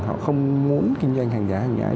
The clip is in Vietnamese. họ không muốn kinh doanh hàng giả hàng nhái